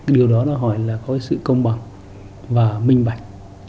điều đó nó hỏi là có sự công bằng và minh bạch